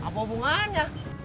biarkan aku enggak medida